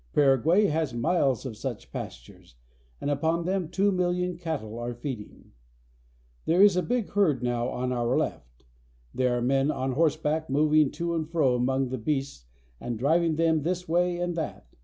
Paraguay has miles of such pastures, and upon them two million cattle are feeding. There is a big herd now on our left. There are men on horseback moving to and fro among the beasts and driv ing them this way and that.